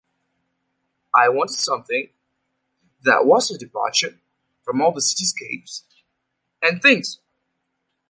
I wanted something that was a departure from all the cityscapes and things.